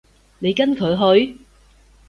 你跟佢去？